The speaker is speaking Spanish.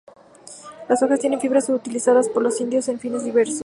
Las hojas tienen fibras utilizadas por los indios para fines diversos.